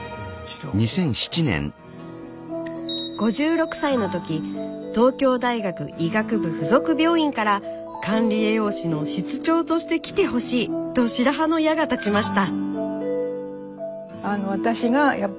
５６歳の時東京大学医学部附属病院から「管理栄養士の室長として来てほしい」と白羽の矢が立ちました。